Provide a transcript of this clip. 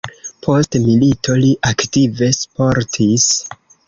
Post milito li aktive sportis.